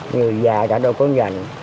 người già ta đâu có nhận